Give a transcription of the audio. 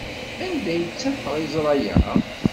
Anda ay ttafeɣ iẓra-a?